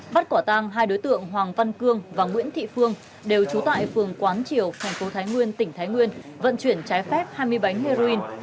bắt quả tang hai đối tượng hoàng văn cương và nguyễn thị phương đều trú tại phường quán triều thành phố thái nguyên tỉnh thái nguyên vận chuyển trái phép hai mươi bánh heroin